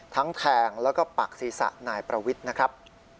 แทงแล้วก็ปักศีรษะนายประวิทย์นะครับ